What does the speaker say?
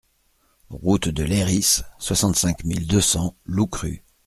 Route de Layrisse, soixante-cinq mille deux cents Loucrup